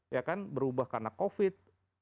ya kan berubah karena covid